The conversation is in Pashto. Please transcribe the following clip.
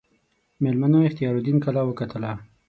میلمنو اختیاردین کلا وکتله.